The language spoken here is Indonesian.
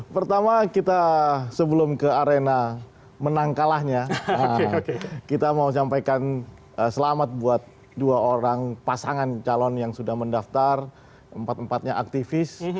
pertama kita sebelum ke arena menang kalahnya kita mau sampaikan selamat buat dua orang pasangan calon yang sudah mendaftar empat empatnya aktivis